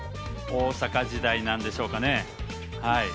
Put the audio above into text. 大阪時代なんでしょうかね。